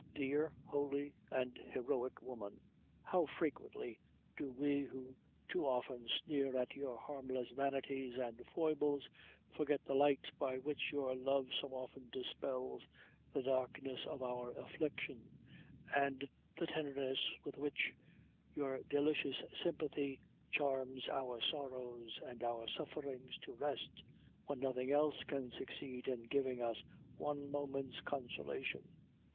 Dear, holy, and heroic woman! how frequently do we who too often sneer at your harmless vanities and foibles, forget the light by which your love so often dispels the darkness of our affliction, and the tenderness with which your delicious sympathy charms our sorrows and our sufferings to rest, when nothing else can succeed in giving us one moment's consolation!